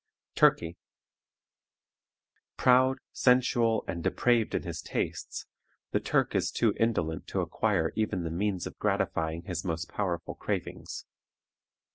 TURKEY. Proud, sensual, and depraved in his tastes, the Turk is too indolent to acquire even the means of gratifying his most powerful cravings.